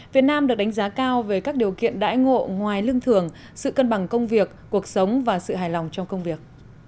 việt nam được đánh giá cao về các điều kiện đãi ngộ ngoài lương thường sự cân bằng công việc cuộc sống và sự hài lòng trong công việc